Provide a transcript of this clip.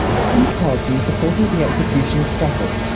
The Prince Palatine supported the execution of Strafford.